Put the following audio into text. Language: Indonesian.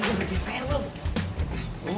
udah berjaya pr belum